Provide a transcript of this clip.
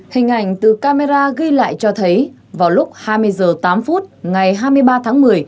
hình ảnh từ camera ghi lại cho thấy vào lúc hai mươi h tám phút ngày hai mươi ba tháng một mươi